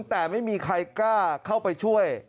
แต่ไม่มีใครกล้าเข้าไปช่วย